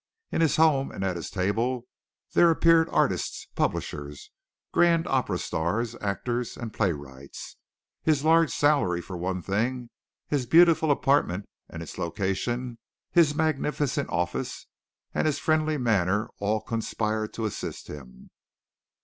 In his home and at his table there appeared artists, publishers, grand opera stars, actors and playwrights. His large salary, for one thing, his beautiful apartment and its location, his magnificent office and his friendly manner all conspired to assist him.